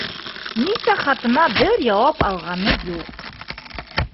Нисә хатына бер яуап алғаны юҡ.